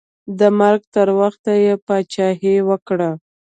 د مرګ تر وخته یې پاچاهي وکړه.